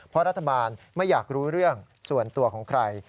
เพราะรัฐบาลไม่อยากรู้เรื่องส่วนตัวของใคร